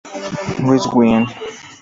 Wiss., Wien.